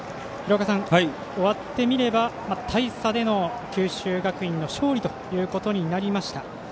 終わってみれば大差での九州学院の勝利ということになりました。